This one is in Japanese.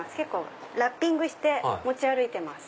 ラッピングして持ち歩いてます。